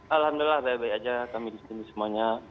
alhamdulillah baik baik aja kami disini semuanya